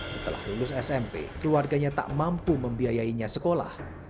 setelah lulus smp keluarganya tak mampu membiayainya sekolah